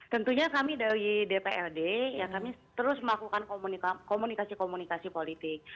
tentunya kami dari dprd ya kami terus melakukan komunikasi komunikasi politik